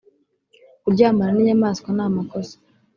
kuryamana n’ inyamaswa namakosa.